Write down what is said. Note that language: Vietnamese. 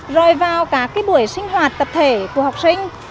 rồi vào cả cái buổi sinh hoạt tập thể của học sinh